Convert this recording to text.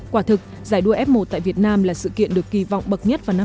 quả thực giải đua f một tại việt nam là sự kiện được kỳ vọng bậc nhất vào năm hai nghìn hai mươi